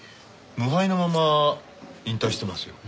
無敗のまま引退してますよ。